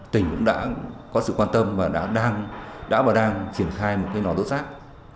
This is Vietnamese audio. tỉnh cũng đã có sự quan tâm và đã và đang triển khai một cái nò rốt rác